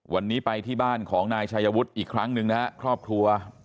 วันนี้ไปที่บ้านของนายชายวุฒิอีกครั้งหนึ่งนะครับครอบครัว